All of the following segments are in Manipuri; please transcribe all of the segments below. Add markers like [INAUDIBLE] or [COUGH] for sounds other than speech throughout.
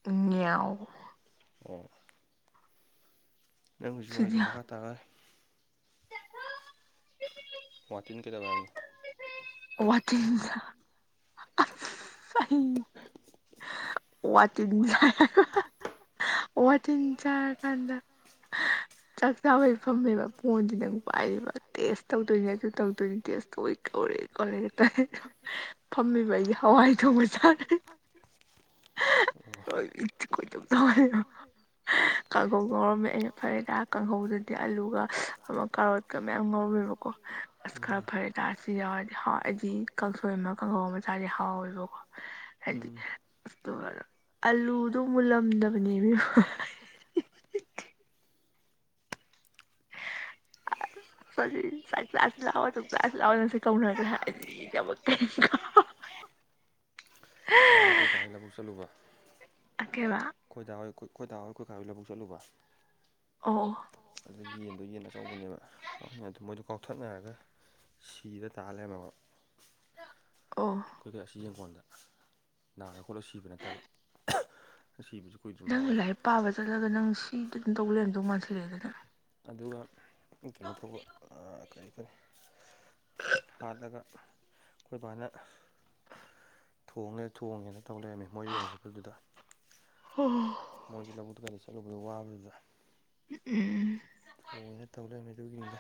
[UNINTELLIGIBLE] [UNINTELLIGIBLE] ꯅꯪꯒꯤꯁꯨ [UNINTELLIGIBLE] ꯃꯈꯥ ꯇꯥꯔꯦ꯫ ꯋꯥꯇꯤꯟ ꯀꯩꯗꯧꯋꯦ ꯍꯥꯏꯕꯅꯣ꯫ ꯋꯥꯇꯤꯟꯁ [UNINTELLIGIBLE] [UNINTELLIGIBLE] ꯋꯥꯇꯤꯟ [UNINTELLIGIBLE] ꯋꯥꯇꯤꯟ ꯆꯥꯔ ꯀꯥꯟꯗ [UNINTELLIGIBLE] ꯆꯥꯛ ꯆꯥꯕꯒꯤ ꯐꯝꯃꯦꯕ ꯐꯣꯟꯗꯤ ꯅꯪ ꯄꯥꯏꯔꯤꯕ ꯇꯦꯁ ꯇꯧꯗꯣꯏꯅꯦ ꯑꯗꯨ ꯇꯧꯗꯣꯏꯅꯤ ꯇꯦꯁ ꯀꯧꯔꯦ ꯀꯣꯔꯦ [UNINTELLIGIBLE] ꯐꯝꯃꯤꯕ ꯑꯩꯖꯦ ꯍꯋꯥꯏ ꯊꯣꯡꯕ ꯆꯥꯔ [UNINTELLIGIBLE] ꯀꯥꯡꯍꯧ ꯉꯥꯎꯔꯝꯃꯦ ꯑꯩꯅ ꯐꯩꯗ ꯀꯥꯡꯍꯧꯗꯨꯗꯤ ꯑꯂꯨꯒ ꯑꯃꯛ ꯀ ꯃꯌꯥꯝ ꯉꯧꯋꯦꯕꯀꯣ ꯑꯁ ꯈꯔ ꯐꯔꯦ ꯇꯥꯔꯦ ꯁꯤ ꯌꯥꯎꯔꯗꯤ ꯍꯥꯎ ꯑꯩꯗꯤ ꯀꯥꯡꯁꯣꯏ ꯑꯃ ꯀꯥꯡꯍꯧ ꯑꯃ ꯆꯥꯗꯤ ꯍꯋꯦꯕꯀꯣ ꯍꯥꯏꯗꯤ ꯑꯗꯨꯒ ꯑꯂꯨꯗꯣ ꯃꯨꯜꯂꯝꯗꯕꯅꯦ ꯃꯤ [UNINTELLIGIBLE] [UNINTELLIGIBLE] [UNINTELLIGIBLE] ꯉꯔꯥꯡ ꯑꯩꯈꯣꯏ ꯀꯥꯒ ꯂꯧꯕꯨꯛ ꯆꯠꯂꯨꯕ ꯑ ꯀꯩꯕ꯫ ꯑꯩꯈꯣꯏꯗꯥ ꯍꯣꯢ ꯑꯩꯈꯣꯏ ꯗꯥ ꯍꯣꯏ ꯑꯈꯣꯏ ꯀꯥ ꯍꯣꯏ ꯂꯨꯛ ꯆꯠꯂꯨꯕ ꯑꯣ ꯑꯗꯨꯗ ꯌꯦꯟꯗꯣ ꯌꯦꯟ ꯑꯆꯧꯕꯅꯦꯕ ꯑꯗꯨ ꯃꯣꯏꯗꯣ ꯀꯥꯎꯊꯠꯅꯔꯒ ꯁꯤꯔ ꯇꯥ ꯂꯩꯔꯝꯃꯕꯥ ꯑꯣ ꯑꯩꯈꯣꯏ ꯑꯁꯤ ꯌꯦꯡꯈꯣꯟꯗ ꯅꯥꯥꯡꯔ ꯈꯣꯠꯂꯒ ꯁꯤꯕ ꯅꯠꯇꯕ ꯁꯤꯕꯁꯨ ꯅꯪ ꯂꯥꯏꯔꯤꯛ ꯄꯥꯕ ꯆꯠꯂꯒ ꯅꯪ ꯁꯤꯗꯤ ꯑꯗꯨꯝ ꯇꯧꯕ ꯂꯩꯔꯝꯗꯧ ꯃꯥꯟꯁꯤꯜꯂꯛꯑꯦꯗ ꯅꯪ ꯑꯗꯨꯒ ꯀꯩꯅꯣ ꯇꯧꯕ ꯀꯔꯤ ꯀꯔꯤ ꯍꯥꯠꯂꯒ ꯑꯩꯈꯣꯏ ꯏꯕꯥꯅ ꯊꯣꯡꯉꯦ ꯊꯣꯡꯉꯦꯅ ꯇꯧ ꯂꯩꯔꯝꯃꯦ ꯃꯣꯏꯒꯤ ꯌꯥꯝ ꯆꯠꯄꯗꯨꯗ ꯃꯣꯏꯁꯤꯦ ꯂꯧꯧꯕꯠꯀꯔꯤ ꯆꯠꯂꯨꯕꯗ ꯋꯥꯕꯗꯨꯗ ꯎꯝ ꯎꯝ ꯎꯝ ꯊꯣꯏꯅ ꯇꯧꯔꯃꯤ ꯑꯗꯨꯒꯤꯅꯤꯅ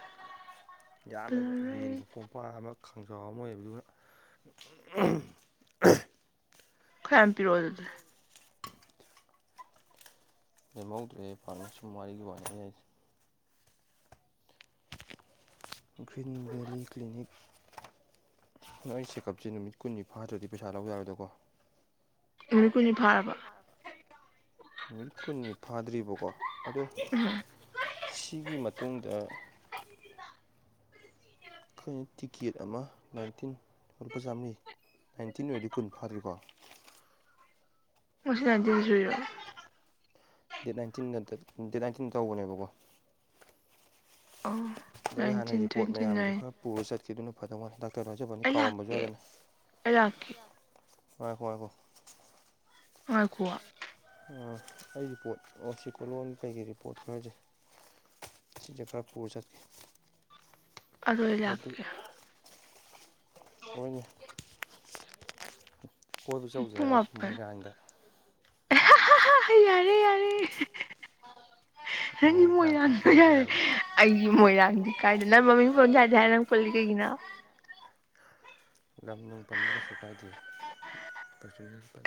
ꯌꯥꯝꯃꯦꯕ ꯌꯦꯟꯕ ꯀꯣ ꯎꯄꯥ ꯑꯃ ꯈꯪꯖꯥꯎ ꯑꯃ ꯑꯣꯏꯕꯗꯨꯅ ꯈ꯭ ꯑꯦꯝ ꯄꯤꯔꯛꯑꯣ ꯑꯗꯨꯗꯤ ꯂꯩꯦꯝꯍꯧꯗ꯭ꯔꯦ ꯐꯥꯔꯃꯔꯁꯨꯝ ꯋꯥꯔꯤꯒꯤ ꯋꯥꯅꯤ ꯑꯩꯁꯦ ꯒ꯭ꯔꯤꯟ ꯚꯦꯂꯤ ꯀ꯭ꯂꯤꯅꯤꯛ ꯅꯣ ꯑꯩ ꯆꯦꯛꯀꯞꯁꯦ ꯅꯨꯠ ꯀꯨꯟꯅꯤ ꯐꯥꯗ꯭ꯔꯗꯤ ꯄꯩꯁꯥ ꯂꯧ ꯌꯥꯔꯣꯏꯗꯣꯀꯣ ꯎꯛꯨꯅꯤ ꯐ ꯅꯨꯃꯤꯠ ꯀꯨꯟꯅꯤ ꯐꯥꯗ꯭ꯔꯤꯕꯀꯣ ꯑꯗꯣ ꯁꯤꯒꯤ ꯃꯇꯨꯡꯗ ꯑꯩꯈꯣꯏꯅ ꯇꯤꯛꯀꯦꯠ ꯑꯃ ꯅꯥꯏꯟꯇꯤꯟ ꯂꯨꯄꯥ ꯆꯥꯝꯃꯔꯤ ꯅꯥꯏꯟꯇꯤꯟ ꯑꯣꯏꯔꯗꯤ ꯀꯨꯟ ꯐꯥꯗ꯭ꯔꯤꯀꯣ ꯁꯦ ꯗꯦꯠ ꯅꯥꯏꯟꯇꯤꯟꯗ ꯗꯦꯠ ꯅꯥꯏꯟꯇꯤꯟꯗ ꯇꯧꯕꯅꯦꯕꯀꯣ ꯑ ꯑꯗꯣ ꯑꯩ ꯍꯥꯟꯅ ꯔꯤꯄꯣꯔꯠ ꯃꯌꯥꯝꯁꯨ ꯈꯔ ꯄꯨꯔ ꯆꯠꯈꯤ ꯑꯗꯨꯅ ꯐꯖꯅ ꯏꯂꯀꯦ ꯏꯂꯀꯦ ꯍꯦꯈꯣꯣꯏꯈꯣ ꯑꯒꯋꯥ ꯑꯩ ꯔꯤꯄꯣꯠ ꯑꯣ ꯁꯤ ꯀꯣꯂꯣꯅꯤ ꯀꯩꯒꯤ ꯔꯤꯄꯣꯔꯠ ꯈꯪꯖꯩ ꯁꯤꯖ ꯈ ꯄꯨ ꯆꯠꯦ ꯑꯗꯨ ꯂꯥꯛꯀꯦ ꯍꯅꯤ ꯄꯃꯥꯄ ꯌꯥꯔꯦ ꯌꯥꯔꯦ ꯍ ꯃꯣꯏ ꯌꯥ ꯌꯥ ꯑꯩꯒꯤ ꯃꯣꯏꯔꯥꯡꯗꯤ ꯀꯥꯏꯗꯦ ꯅꯪ ꯃꯃꯤꯡ ꯐꯣꯟꯁꯗꯦ ꯍꯥꯏꯔ ꯅꯪ ꯄꯨꯜꯂꯤ ꯀꯩꯒꯤꯅꯣ ꯂꯝ ꯅꯨꯡ ꯄꯟꯗ ꯀꯩꯁꯨ ꯀꯥꯏꯗꯦ ꯄ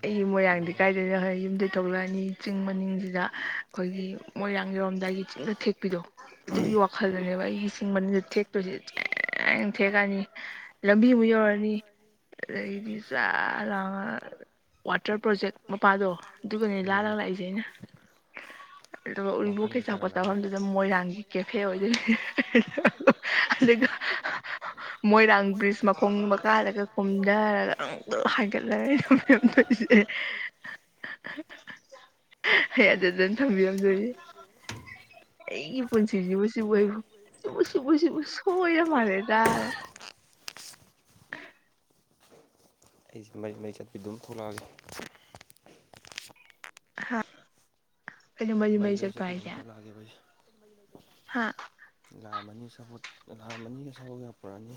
ꯑꯩ ꯃꯣꯏꯔꯥꯡꯗꯤ ꯀꯥꯏꯗꯣꯏꯅ ꯍꯣꯏ ꯌꯨꯝꯗ ꯊꯣꯛꯂꯛꯑꯅꯤ ꯆꯤꯡ ꯃꯅꯤꯡꯁꯤꯗ ꯑꯩꯈꯣꯏꯒꯤ ꯃꯣꯏꯔꯥꯡ ꯌꯧꯔꯝꯗꯥꯏꯒꯤ ꯆꯤꯡꯗ ꯊꯦꯛꯄꯤꯗꯣ ꯑꯗꯨꯒꯤ ꯋꯥꯈꯜꯗꯅꯦꯕ ꯑꯩ ꯏꯁꯤꯡ ꯃꯅꯤꯗ ꯊꯦꯛ ꯇꯁ ꯆꯦꯡ ꯊꯦꯛꯀꯅꯤ ꯂꯝꯕꯤꯃꯨꯛ ꯌꯧꯔꯅꯤ ꯑꯗꯗꯒꯤꯗꯤ ꯆꯥꯔ ꯋꯥꯇꯔ ꯄ꯭ꯔꯣꯖꯦꯛ ꯃꯄꯥꯗꯣ ꯑꯗꯨꯒꯅꯦ ꯂꯥꯜꯂ ꯂꯥꯛꯏꯁꯦ ꯑꯩꯅ ꯑꯗꯨꯒ ꯎꯔꯤꯕꯣꯛꯀꯩ ꯆꯥꯛꯄꯣꯠ ꯆꯥꯐꯝꯗꯨꯗ ꯃꯣꯏꯔꯥꯡꯒꯤ ꯀꯦꯐꯦ ꯑꯣꯏꯗꯣꯏꯅꯦ ꯑꯗꯨꯒ ꯃꯣꯏꯔꯥꯡꯕ꯭ꯔꯤꯖ ꯃꯈꯨꯝ ꯃꯈꯀꯥꯗꯒ ꯀꯨꯝꯊꯔꯒ ꯑꯃꯨꯛꯇ ꯍꯥꯏꯒꯠꯂꯔꯦꯁꯦ ꯑꯩ ꯐꯖꯅ ꯊꯝꯕꯤꯔꯝꯖꯔꯤ ꯑꯩꯒꯤ ꯄꯨꯟꯁꯤꯒꯤꯕꯨ ꯁꯤꯕꯨ ꯑꯩꯕꯨ ꯆꯕꯨ ꯁꯤꯕꯨ ꯁꯤꯕꯨ ꯁꯣꯏ ꯌꯥꯝ ꯃꯥꯜꯂꯦꯇꯥꯔꯦ ꯑꯩꯁꯦ ꯃꯩ ꯃꯩ ꯆꯠꯄꯤ ꯑꯗꯨꯝ ꯊꯣꯛꯂꯛꯑꯒꯦ ꯍꯥ ꯀꯩꯅꯣ ꯃꯔꯤ ꯃꯔꯤ ꯆꯠꯄ ꯍꯥꯏꯗꯤ [UNINTELLIGIBLE] ꯍꯥ ꯂꯥ ꯃꯅꯤ ꯁꯒ‌ꯣꯜ ꯂꯥ ꯑꯅꯤꯒꯤ ꯁꯒ‌ꯣꯜ ꯌꯥ ꯄꯨꯔꯛꯑꯅꯤ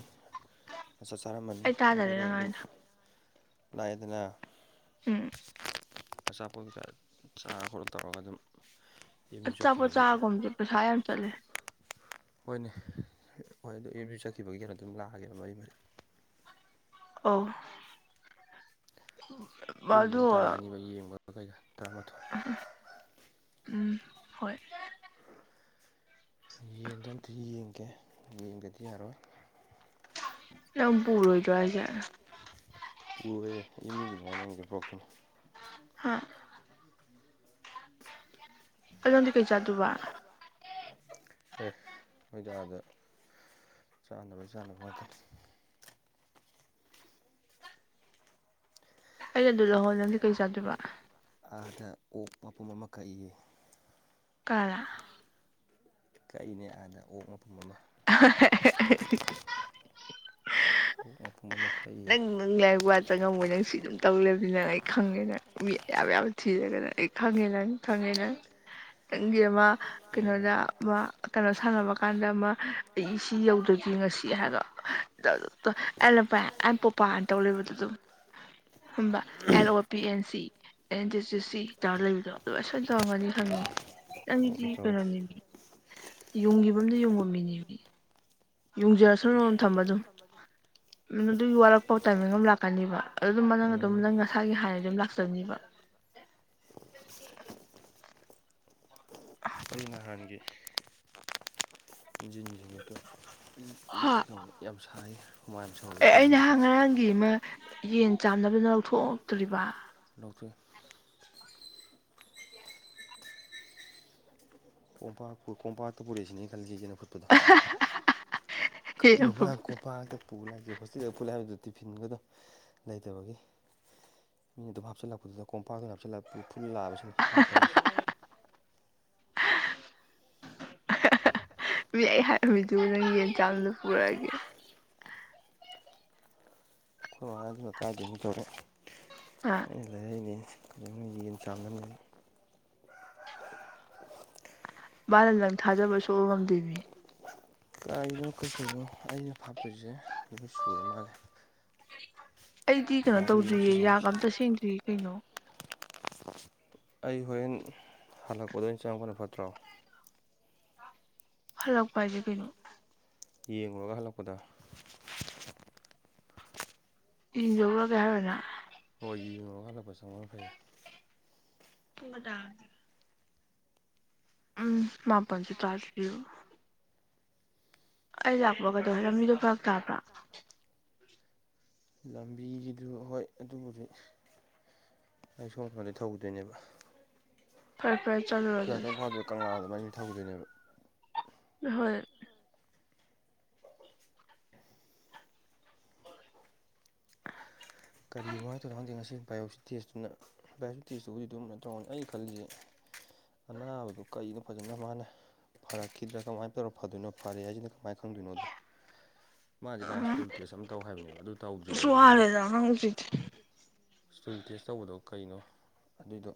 ꯃꯆꯥꯠ ꯆꯥꯔꯝꯃꯅꯤ ꯑꯗꯨꯒ ꯑꯗꯨꯝ ꯂꯥꯏꯗꯅ ꯎꯝ ꯑꯆꯥ ꯄꯣꯠ ꯀꯩꯀꯥ ꯆꯥꯔ ꯈ‌ꯣꯠꯂ ꯇꯧꯔꯒ ꯑꯗꯨꯝ ꯑꯠꯆ‌‌ꯥꯄꯣꯠ ꯆꯥꯒꯨꯝꯕꯖ‌ꯦ ꯄꯩꯁꯥ ꯌꯥꯝ ꯆꯠꯂꯦ ꯍꯣꯏꯅꯦ ꯍꯣꯏ ꯑꯗꯨ ꯑ‌ꯦꯝꯌꯨ ꯆꯠꯈꯤꯕꯒꯤ ꯀꯩꯅꯣ ꯗꯨ ꯑꯗꯨꯝ ꯂꯥꯛꯑꯒꯦ ꯕ ꯑꯩꯅ ꯑꯧ ꯄꯨꯡꯗꯣ ꯑꯗꯨꯝ ꯇꯔꯥꯛ ꯑꯅꯤꯕ ꯌꯦꯡꯕꯒ ꯀꯩꯗꯥ ꯇꯔꯥꯃꯥꯊꯣꯏ ꯎꯝ ꯍꯣꯏ ꯌꯦꯟꯗꯣ ꯑꯝꯇ ꯌꯦꯡꯒꯦ ꯌꯦꯡꯗꯗꯤ ꯌꯥꯔꯣꯏ ꯅꯪ ꯄꯨꯨꯔ‌‌ꯣꯏꯗꯔ‌ꯣ ꯍꯥꯏꯖ‌ꯦ ꯄꯨꯔ‌ꯣꯏꯌ‌ꯦ ꯑ‌ꯦꯝ ꯌꯨ ꯒꯤꯅꯦ ꯍꯥꯏꯅ ꯅꯪꯒꯤ ꯗ ꯄꯨꯔꯛꯇꯣꯏꯅꯦ ꯍꯥ ꯑꯗ‌ꯣꯟꯗꯤ ꯀꯩ ꯆꯥꯗꯨꯕ ꯑꯦ ꯅꯣꯏꯗꯥ ꯑꯥꯗ ꯆꯥꯅꯕꯩ ꯆꯥꯅꯕ ꯉꯥꯛꯇꯅꯤ ꯑꯩꯅ ꯑꯗꯨ ꯂꯍ‌ꯧ ꯅꯪꯗꯤ ꯀꯩ ꯆꯥꯗꯣꯏꯕ ꯑꯥꯗ ꯑꯣꯛ ꯃꯄꯨꯝ ꯑꯃ ꯀꯛꯏꯌꯦ ꯀꯥꯂꯥ ꯀꯛꯏꯅꯦ ꯑꯥꯗꯥ ꯑꯣꯛ ꯃꯄꯨꯝ ꯑꯃ [UNINTELLIGIBLE] ꯃꯄꯨꯝ ꯑꯃ ꯀꯛꯏꯌꯦ ꯅꯪ ꯂꯥꯏꯔꯤꯛ ꯋꯥ ꯆꯪꯉꯝꯃꯣꯏ ꯅꯪ ꯁꯤ ꯑꯗꯨꯝ ꯇꯧꯂꯩꯔꯝꯅꯤ ꯅꯪ ꯑꯩ ꯈꯪꯉꯦ ꯅ‌‌ꯪ ꯃꯤ ꯑꯌꯥꯝ ꯌꯥꯝ ꯊꯤꯔꯒꯅꯪ ꯑꯩ ꯈꯪꯉ‌ꯦ ꯅꯪ ꯈ‌ꯪꯉ‌ꯦ ꯅꯪ ꯅꯪꯒꯤ ꯑꯃ ꯀꯩꯅꯣꯗ ꯑꯃ ꯀꯩꯅꯣ ꯁꯥꯟꯅꯕ ꯀꯥꯟꯗ ꯑꯃ ꯑꯩ ꯁꯤ ꯌꯧꯗꯔꯗꯤ ꯉꯁꯤ ꯍꯥꯏꯔ ꯑ ꯂꯝꯐ ꯑꯩꯅ ꯄꯣꯄꯥ ꯍꯥꯏꯅ ꯇꯧ ꯂꯩꯕꯗꯨ ꯑꯗꯨꯝ [INAUDIBLE] ꯍꯝꯕ ꯑꯦꯜ ꯑꯣ P N C N D ꯁꯤ ꯁꯤ ꯇꯧꯔ ꯂꯩꯕꯗꯣ ꯑꯗꯨ ꯁꯣꯏꯅ ꯇꯧꯔꯝꯒꯅꯤ ꯈꯪꯉꯤ ꯅꯪꯒꯤꯗꯤ ꯀꯩꯅꯣꯅꯦꯃꯤ ꯌꯨꯡꯒꯤꯕ ꯑꯝꯗ ꯌꯨꯡꯕ ꯃꯤꯅꯦ ꯃꯤ ꯌꯨꯡꯖꯁꯔꯅꯣ ꯊꯝꯕ ꯑꯗꯨꯝ [INAUDIBLE] ꯑꯗꯨꯒꯤ ꯋꯥꯔꯛꯄꯥꯎ ꯇꯥꯏꯃꯤꯡ ꯑꯃ ꯂꯥꯛꯀꯅꯤꯕ ꯑꯗꯨ ꯑꯗꯨꯝ ꯅꯪ ꯑꯗꯨꯝ ꯅꯪ ꯉꯁꯥꯒꯤ ꯍꯥꯏꯟꯅ ꯑꯗꯨꯝ ꯂꯥꯛꯆꯅꯤꯕ ꯑꯩ ꯅꯍꯥꯟꯒꯤ ꯏꯟꯖꯤꯟ ꯖꯤꯒ‌ꯦꯠꯇ‌ꯣ ꯂꯤꯠ ꯂꯤꯠꯀ‌ꯦ ꯇꯧꯔꯥ ꯌꯥꯝ ꯁꯥꯌ‌ꯦ ꯑꯦ ꯑꯩ ꯅꯍꯥꯟ ꯉꯔꯥꯡꯒꯤ ꯑꯃ ꯌꯦꯟ ꯆꯥꯝꯗꯨꯅ ꯂꯧꯊꯣꯛꯛꯇꯔꯤꯕ ꯂꯧꯊ‌ꯣꯛ ꯑ‌ꯦ ꯀꯣꯝꯄꯥꯛꯄ ꯀꯣꯝꯄꯥꯛꯇ ꯄꯨꯔꯛꯏꯁꯤꯅꯦ ꯑꯩ ꯈꯜꯂꯤꯁꯤ ꯌ‌ꯦꯟ ꯑꯐꯨꯠ ꯄꯗ‌‌ꯣ ꯀꯩꯅꯣ ꯃꯥ ꯀ‌ꯣꯝ ꯄꯥꯛꯇ ꯄꯨ ꯂꯥꯛꯏꯖꯤ ꯍꯣꯁꯇꯦꯜꯗ ꯄꯨꯂꯥꯛ ꯑ‌ꯦ ꯍꯥꯏꯕꯗꯣ ꯇꯤꯐꯤꯟꯒꯗꯣ ꯂꯩꯇꯕꯒꯤ ꯃꯤꯅ ꯑꯗꯨꯝ ꯍꯥꯞꯆꯤꯜꯂꯛꯄꯗꯨꯗ ꯀꯣꯝꯄꯥꯛ ꯇ ꯍꯥꯞꯆꯤꯜꯂꯛ ꯄꯨ ꯐꯨꯜ ꯂꯥꯛ ꯑꯕꯁꯤꯅꯤ ꯑꯩꯅ ꯈꯜꯂꯤꯁꯤ ꯃꯤ ꯑꯩ ꯍꯥꯏꯔꯝꯃꯤꯗꯨꯕꯨ ꯅꯪ ꯌꯦꯟ ꯆꯥꯡꯕꯝꯗ ꯄꯨꯔꯛꯑꯒꯦ ꯑꯗꯨ ꯍꯥꯏꯔꯝ ꯃ ꯀꯗꯥꯏ ꯅ‌ꯣ ꯇꯧꯔꯛꯑ‌ꯣ ꯑ ꯑꯩꯅ ꯂꯩꯔꯛꯏꯅꯦ ꯀꯩꯅ‌ꯣꯝ ꯌꯦꯟ ꯆꯥꯝꯅꯝ ꯅ‌ꯦꯅꯥ ꯃꯥꯅ ꯅꯪ ꯊꯥꯖꯕ ꯁꯨꯛꯉꯝ ꯉꯝꯗ‌ꯦꯃꯤ ꯀꯥꯏꯅꯣ ꯀꯩꯀꯩꯅꯣ ꯑꯩꯅ ꯐꯥꯠꯇꯣꯏꯖ‌ꯦ ꯂ‌‌ꯣꯏ ꯁꯨꯔ ꯃꯥꯜꯂꯦ ꯑꯩꯗꯤ ꯀꯩꯅꯣ ꯇꯧꯗ꯭ꯔꯤꯌꯦ ꯌꯥꯒ ꯑꯝꯇ ꯁꯦꯡꯗ꯭ꯔꯤꯌꯦ ꯀꯩꯅꯣ ꯑꯩ ꯍꯣꯔꯦꯟ ꯍꯜꯂꯛꯄꯗ ꯑꯣꯏꯅ ꯆꯥꯉꯛ ꯄꯅ ꯐꯠꯇ꯭ꯔꯣ ꯍꯂꯛꯄ ꯍꯥꯏꯖ‌ꯦ ꯀꯩꯅ‌ꯣ ꯌꯦꯡꯂꯨꯔꯒ ꯍꯜꯂꯛꯄꯗ ꯏꯖꯧꯂꯒꯦ ꯍꯥꯏꯅ ꯍꯣꯏ ꯌꯦꯡꯉꯨꯔꯒ ꯍꯜꯂꯛꯄ ꯆꯪꯉꯛꯄ ꯐꯩꯌꯦ ꯄꯨꯡꯀꯌꯥ ꯇꯥꯔ ꯎꯝ ꯃꯥꯄꯟꯖꯨ ꯇꯥꯗꯔꯤ ꯖꯤꯕꯨ ꯑꯩ ꯂꯥꯛꯄꯒꯩꯗꯧꯔꯦ ꯂꯝꯕꯤꯗꯨ ꯐꯔꯛ ꯇꯥꯕꯔꫭ ꯂꯝꯕꯤꯒꯤꯗꯨ ꯍꯣꯏ ꯑꯗꯨꯕꯨꯗꯤ ꯑꯩ ꯁꯣꯝ ꯅꯀꯟꯗꯩ ꯊꯧꯒꯤꯗꯩꯅꯦꯕ ꯐꯔꯦ ꯐꯔꯦ ꯆꯂꫭ ꯀꯨꯌꯥꯊꯣꯡ ꯐꯥꯎꯗꯣꯏ ꯀꯪꯂꯥꯗ ꯑꯗꯨꯃꯥꯏ ꯊꯧꯒꯤꯗꯩꯅꯦꯕ ꯍꯣꯏ ꯀꯔꯤꯑꯃꯨꯛ ꯍꯥꯏꯔꯛ ꯇꯥꯏꯅꫭ ꯉꯁꯤ ꯕꯥꯏꯑꯣꯁꯤ ꯇꯦꯁꯇꯨꯅ ꯚꯥꯏꯁꯨꯇꯤꯁꯇꯨꯕꯨꯗꯤ ꯑꯗꯨꯝ ꯇꯧꯔꯝꯅꯤ ꯑꯩ ꯈꯜꯂꯤꯁꯤ ꯑꯅꯥꯕꯗꯨ ꯀꯩꯅꯣ ꯐꯖꯅ ꯃꯥꯥꯅꯥ ꯐꯔꯛꯈꯤꯗ꯭ꯔꯥ ꯀꯃꯥꯏꯅ ꯇꯧꯔꯒ ꯐꯗꯣꯏꯅꯣ ꯐꯔꯦ ꯍꯥꯏꯁꯤꯅ ꯀꯃꯥꯏꯅ ꯈꯪꯗꯣꯏꯅꯣꯗꯣ ꯃꯥꯅꯗꯤ ꯅꯥꯟ ꯁ꯭ꯇꯨꯜ ꯇꯦꯁ ꯑꯃ ꯇꯧ ꯍꯥꯏꯕꯅꯦꯕ ꯑꯗꯨ ꯇꯧꯗ꯭ꯔꯤꯕ ꯑꯩꯁꯦ ꯍꯧꯖꯤꯛꯐꯥꯎꯕ ꯍꯥꯡꯁꯤꯗꯦ [UNINTELLIGIBLE] ꯁꯇꯨꯜ ꯇꯦꯁ ꯇꯧꯕꯗꯣ ꯀꯩꯅꯣ ꯑꯗꯨꯏꯗꯣ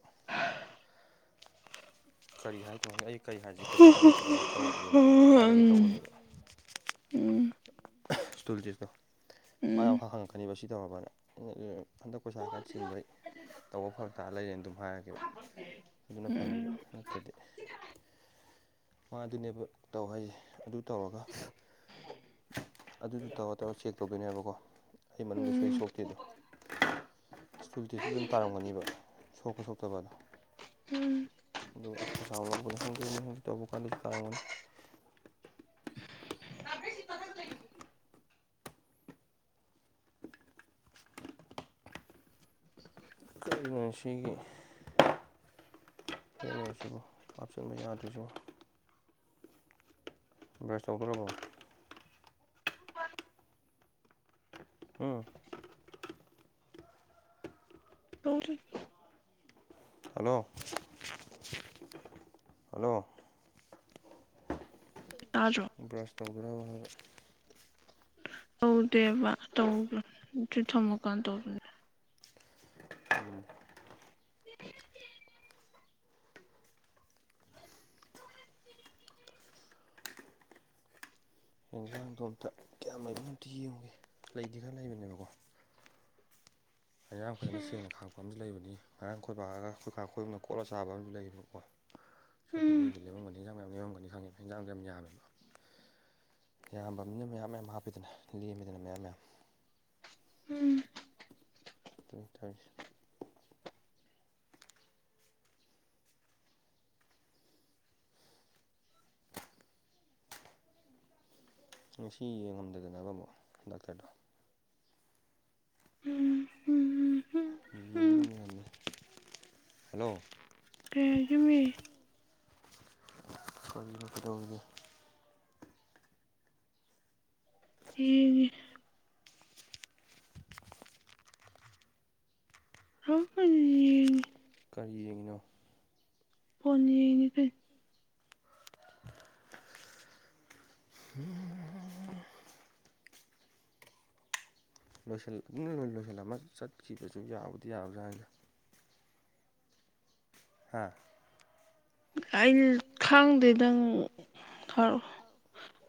ꯀꯔꯤ ꯍꯥꯏꯔꯛꯇꯩꯅꯣ ꯑꯩ ꯀꯔꯤ ꯍꯥꯏꯁꯤ ꯄꯩꯁꯥ ꯂꯩꯇꯥꯗꯅꯥ ꯇꯧꯗꯔꯤꯅꯤ ꯍꯥꯏꯔꯒꯦ ꯇꯧꯕꯅꯦꯕ ꯏꯁꯇꯨꯜ ꯍꯉꯛꯀꯅꯤ ꯁꯤ ꯇꯧꯔꯕꯅꯥ ꯍꯟꯗꯛ ꯄꯩꯁꯥ ꯈꯔ ꯆꯤꯟꯕꯩ ꯇꯧꯕ ꯐꯔꯛꯇꯥꯔ ꯂꯩꯔꯦꯅ ꯑꯗꯨꯝ ꯍꯥꯏꯔꯒꯦꯕ ꯑꯗꯨꯅ ꯐꯔꯅꯤꯕ ꯑꯗꯨꯗꯤ ꯃꯥꯗꯨꯅꯦꯕ ꯇꯧ ꯍꯥꯏꯁꯦ ꯑꯗꯨ ꯇꯧꯔꯒ ꯑꯗꯨꯁꯨ ꯇꯧꯔ ꯇꯧꯔ ꯆꯦꯛ ꯇꯧꯗꯩꯅꯦꯕꯀꯣ ꯑꯩ ꯃꯅꯨꯡꯗꯁꫭꯛꯏ ꯁꯣꯛꯇꯦꯗꯣ ꯁꯇꯨꯜꯇꯁꯨ ꯑꯗꯨꯝ ꯇꯥꯔꯝꯒꯅꯤꯕ ꯁꯣꯛꯏ ꯁꯣꯛꯇꯔꯤꯗꫭ ꯀ ꯀꯃ [UNINTELLIGIBLE] ꯇꯄꯤꯦꯁꯤ ꯀꯊ ꯆ [INAUDIBLE] ꯀꯔꯤꯅꫭ ꯁꯤꯒꯤ ꯍꯦꯝꯁꯤꯕꯨ ꯍꯥꯞꯆꯤꯟꯕ ꯌꯥꯗ꯭ꯔꯁꯨꯕꯨ ꯕꯁ ꯇꯧꯗꯧꯔꯕꯣ ꯎꯝ ꯇꯧꯊꯔꯤ ꯍꯜꯂꯣ ꯇꯥꯗꯔꫭ ꯕꯥꯁ ꯇꯧꯗꯧ ꯔꯥꯕꫭ ꯍꯥꯏꯕ ꯇꯧꯗꯦꯕ ꯇꯧ ꯊꯝꯃꯀꯥꯟꯗ ꯇꯧꯗꯩꯅꯦꯕ [UNINTELLIGIBLE] ꯌꯦꯟꯖꯥꯡꯗꫭ ꯑꯝꯇꯥ ꯀꯌꯥꯝ ꯂꯩꯔꯤꯕꯅꫭ ꯑꯝꯇꯥ ꯌꯦꯡꯂꯨꯒꯦ ꯂꯩꯗꯤ ꯈꯔ ꯂꯩꯕꯅꯤꯕ ꯑꯌꯥꯝ ꯐꯖꯅ ꯁꯦꯡꯅ ꯈꯪ ꯑꯨ ꯂꯩꯕꯅꯤ ꯉꯔꯥꯡ ꯑꯩꯈꯣꯏꯕꯥꯒ ꯥꯑꯈꯣꯏ ꯈꯣꯏꯕꯅ ꯑꯈꯣꯠꯂ ꯆꯥꯕ ꯑꯃꯁꯨ ꯂꯩꯌꯦꯕꯀꯣ ꯇ꯭ꯔꯥꯐꯤꯛ ꯑꯣꯏꯕꯅꯤ ꯂꯩꯔꯝꯒꯅꯤ ꯍꯟꯖꯥꯡ ꯌꯥꯝ ꯂꯩꯍꯝꯒꯅꯤ ꯈꯪꯉꯦꯕ ꯍꯟꯖꯥꯡꯗꫭ ꯌꯥꯝꯅ ꯌꯥꯃꯦꯕ ꯌꯥꯝꯕ ꯃꯤꯅ ꯃꯌꯥꯝ ꯃꯌꯥꯝ ꯍꯥꯞꯄꯤꯗꯅꯥ ꯂꯦꯝꯃꯤꯗꯅ ꯃꯌꯥꯝ ꯃꯌꯥꯝ ꯎꯝ ꯇ ꯊꯣꯏ [UNINTELLIGIBLE] ꯉꯁꯤ ꯌꯦꯡꯉꯝꯗꯗꯅꯕ ꯑꯃꯨꯛ ꯗꯥꯛꯇꯔꯗꯣ ꯎꯝ ꯌꯦꯡꯕꯅꯦ ꯑꯗꯨꯝ ꯍꯜꯂꯣ ꯀꯩꯍꯥꯏꯅꫭ ꯃꯤ ꯑꯩꯣꯏꯕ ꯀꯩꯗꯧꯅꯤ ꯑꯩ ꯍ ꯀꯅꯣ ꯐꯣꯅꯤꯅꯤ ꯐꯩ ꯎ ꯂꯣꯏꯁꯤꯜ ꯂꯣꯏ ꯂꯣꯏꯁꯤꯜꯂꯝꯃꯒ ꯆꯠꯈꯤꯕꯁꯨ ꯌꯥꯎꯕꯗꯤ ꯌꯥꯕ꯭ꯔꯥ ꯍꯥꯏꯅ ꯍꯥꯥ ꯑꯩ ꯈꯪꯗꯦ ꯗꯪ ꯔꯑꯣ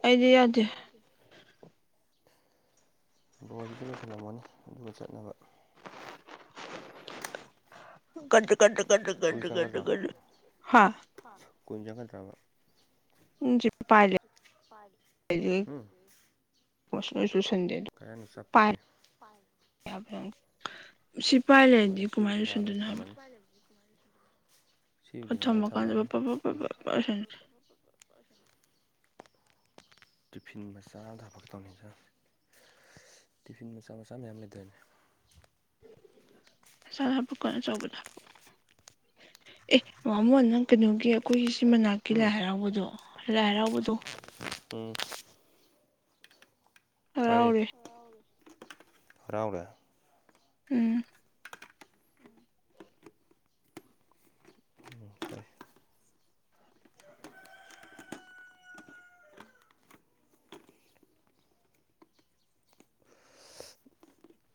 ꯑꯩꯗꯤ ꯌꯥꯗꯦ [INAUDIBLE] ꯂꯣꯏꯒꯤꯁꯨ ꯂꯣꯏꯁꯤꯜꯂꯝꯃꯅꯤ ꯑꯗꯨꯒ ꯆꯠꯅꯕ ꯒꯗꯔ ꯒꯗꯔ ꯒꯗꯔ ꯒꯗꯔ ꯒꯗꯔ ꯒꯗꯔ ꯍꯥ ꯀꯨꯏꯟ ꯆꯪꯒꯗ꯭ꯔꯕ [UNINTELLIGIBLE] ꯍꯝ ꯁꯅꯁꯨꯁꯟꯗꯦꯗꯨ ꯄꯥꯏ ꯁꯤ ꯄꯥꯏ ꯂꯩꯔꯗꯤ ꯀꯃꯥꯏꯅ ꯂꯣꯏꯁꯟꯗꯣꯏꯅꯣ ꯍꯥꯏꯕ [INAUDIBLE] ꯑꯗ ꯊꯝꯃꯀꯥꯟꯗ ꯄ ꯄ ꯄꯞ ꯄꯞ ꯄꯞ ꯇꯤꯐꯤꯟ ꯃꯆꯥ ꯊ ꯍꯥꯕꯛꯒ ꯇꯧꯅꯤꯖ ꯇꯤꯐꯤꯟ ꯃꯆꯥ ꯃꯆꯥ ꯃꯌꯥꯝ ꯂꯩꯗꯥꯏꯅꯦ ꯃꯆꯥꯗ ꯍꯥꯞꯄꯛꯀꯅꯨ ꯑꯆꯧꯕꯗ ꯍꯥꯞꯄꯛꯎ ꯑꯦ ꯃꯃꯣ ꯅꯪ ꯀꯩꯅꯣꯒꯤ ꯑꯩꯈꯣꯏꯒꯤ ꯁꯤ ꯃꯅꯥꯛꯀꯤ ꯂꯥꯏ ꯍꯔꯥꯎꯕꯗꯣ ꯂꯥꯏ ꯍꯔꯥꯎꯕꯗꯣ ꯑꯝ ꯇꯥꯏꯌꯦ ꯍꯔꯥꯎꯔꯦ ꯎꯝ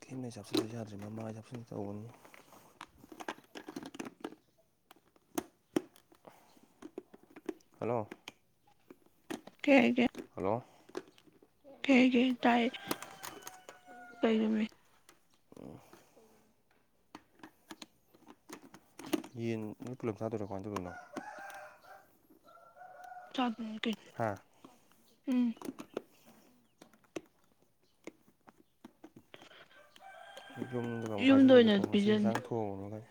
[UNINTELLIGIBLE] ꯍꯜꯂꯣ ꯀꯩ ꯍꯥꯏꯒꯦ ꯍꯜꯂꯣ ꯀꯩ ꯍꯥꯏꯒꯦ ꯇꯥꯏꯌꯦ ꯀꯩꯅꯣꯃꯤ ꯌꯦꯟ ꯅꯣꯏ ꯄꯨꯜꯂꯞ ꯆꯥꯗꯣꯏꯔꯥ ꯀꯃꯥꯏꯅ ꯇꯧꯗꯣꯏꯅꯣ ꯆꯥꯗꯣꯏꯅꯤ ꯀꯩꯅꯣ ꯍꯥꯥ ꯎꯝ ꯌꯨꯝꯗꯨ ꯑꯃꯨꯛ ꯈꯥꯏꯖꯤꯜꯂꯨꯅꯤꯀꯣ ꯃꯁꯤ ꯏꯟꯁꯥꯡ ꯊꯣꯡꯕꯅꯥꯏ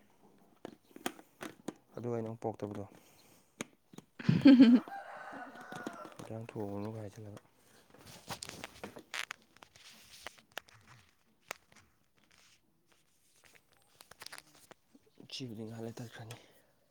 ꯑꯗꯨꯒ ꯑꯩꯅ ꯑꯃꯨꯛ ꯄꯣꯛꯇꯕꯗꯣ ꯍꯝ ꯍꯝ ꯍꯝ ꯀꯩꯝ ꯊꯧꯉꯣꯅꯨꯒ ꯍꯥꯏꯖꯜꯂꯒ ꯁꯤꯕꯨꯗꯤ ꯉꯍꯥꯛ ꯂꯩꯔ ꯇꯠꯈ꯭ꯔꯅꯤ